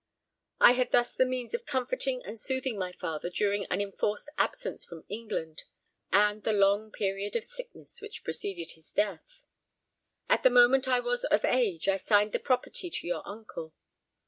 I had thus the means of comforting and soothing my father during an enforced absence from England, and the long period of sickness which preceded his death; and the moment I was of age I assigned the property to your uncle.